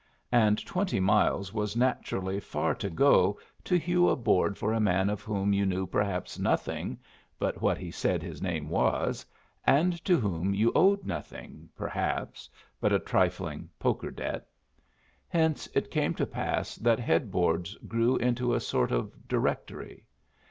And twenty miles was naturally far to go to hew a board for a man of whom you knew perhaps nothing but what he said his name was, and to whom you owed nothing, perhaps, but a trifling poker debt. Hence it came to pass that headboards grew into a sort of directory.